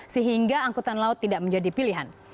sehingga angkutan laut tidak menjadi pilihan